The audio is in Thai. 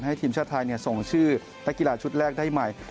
ทีมชาติไทยส่งชื่อนักกีฬาชุดแรกได้ใหม่